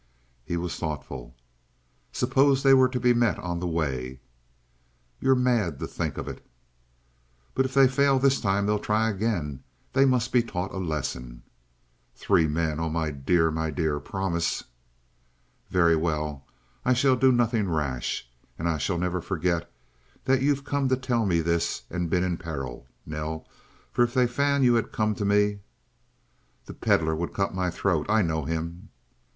He was thoughtful. "Suppose they were to be met on the way?" "You're mad to think of it!" "But if they fail this time they'll try again. They must be taught a lesson." "Three men? Oh, my dear, my dear! Promise!" "Very well. I shall do nothing rash. And I shall never forget that you've come to tell me this and been in peril, Nell, for if they found you had come to me " "The Pedlar would cut my throat. I know him!"